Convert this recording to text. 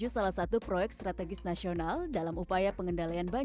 lalu isi video yang saya antara lebih dari seratus an ter convolution